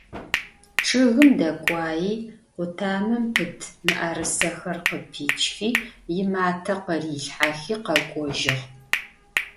Ççıgım dek'uai, khutamem pıt mı'erısexer khıpiçxi, yimate khırilhhexi khek'ojığ.